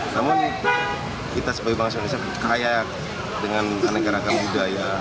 namun kita sebagai bangsa indonesia berkaya dengan anggaran budaya